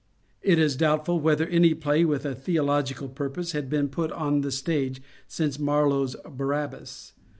It is doubtful whether any play with a theological purpose had been put on the stage since Marlowe's *' Barabbas."